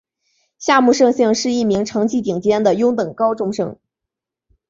夏木胜幸是一名成绩顶尖的优等高中生。